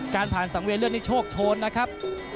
การผ่านสังเวียนเรื่องนี้โชคโชนนะครับ